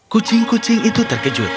kucing kucing itu terkejut